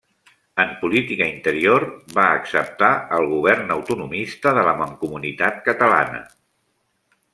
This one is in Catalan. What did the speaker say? En política interior, va acceptar el govern autonomista de la Mancomunitat catalana.